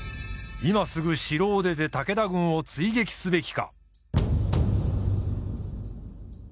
今すぐ城を出て武田軍を追撃すべきか。